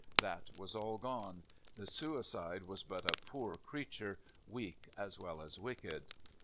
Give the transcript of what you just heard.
That was all gone — the suicide was but a poor creature, weak as well as wicked.